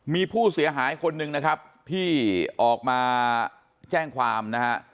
มีผู้เสียหายคนหนึ่งนะครับที่ออกมาแจ้งความนะฮะ